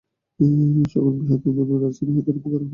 সকল বৃহৎ আন্দোলনই রাজধানী হইতে আরম্ভ করা প্রয়োজন।